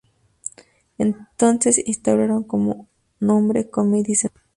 Entonces instauraron como nombre Comedy Central.